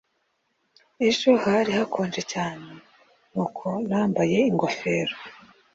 ejo hari hakonje cyane nuko nambaye ingofero